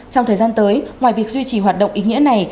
trong thời gian tới ngoài việc duy trì hoạt động ý nghĩa này